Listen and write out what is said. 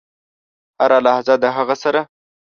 هره لحظه د هغه سره .